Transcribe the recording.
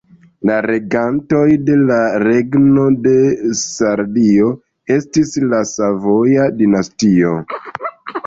La regantoj de la Regno de Sardio estis la Savoja dinastio.